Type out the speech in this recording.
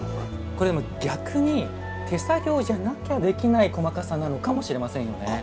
これでも逆に手作業じゃなきゃできない細かさなのかもしれませんよね。